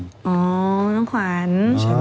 อ๋อน้องขวัญ